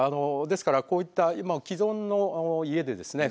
ですからこういった今既存の家でですね